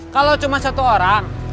kalau cuma satu orang